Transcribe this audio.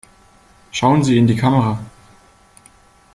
Schauen Sie in die Kamera!